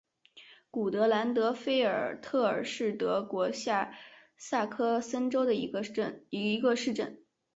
古德兰德菲尔特尔是德国下萨克森州的一个市镇。